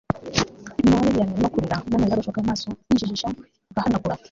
nyina wa lilian arimo kurira namarira agashoka mumaso nkijijisha ngahanagura